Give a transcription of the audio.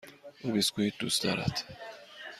او بیسکوییت دوست دارد.